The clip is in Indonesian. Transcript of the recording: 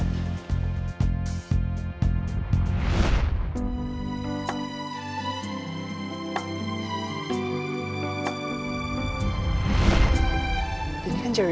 tidak ada yang bisa dipercaya